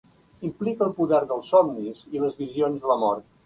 Implica el poder dels somnis i les visions de la mort.